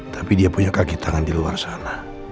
tapi dia punya kaki tangan di luar sana